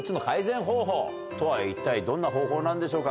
一体どんな方法なんでしょうか？